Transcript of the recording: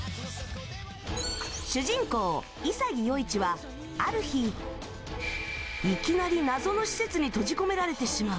主人公・潔世一は、ある日いきなり謎の施設に閉じ込められてしまう。